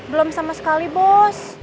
belum sama sekali bos